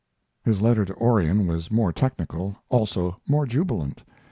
His letter to Orion was more technical, also more jubilant.